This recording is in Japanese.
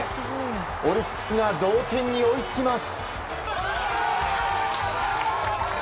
オリックスが同点に追いつきます。